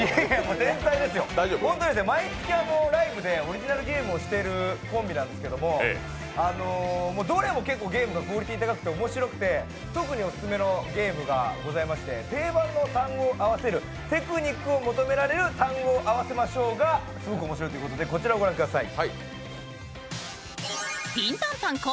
天才ですよ、毎月ライブでオリジナルゲームをしているコンビなんですけど、どれも結構ゲームのクオリティーが高くて面白くて、特にオススメのゲームがございまして、定番の漢字を合わせるテクニックを求める単語合わせましょうがすごく面白いということで、こちらをご覧ください。